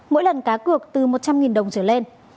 mỗi lần cá cược từ một trăm linh đồng trở lên